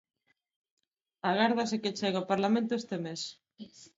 Agárdase que chegue ao Parlamento este mes.